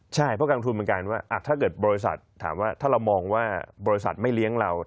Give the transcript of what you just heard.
ใช่เพราะกองทุนมันกลายเป็นว่าถ้าเกิดบริษัทถามว่าถ้าเรามองว่าบริษัทไม่เลี้ยงเรา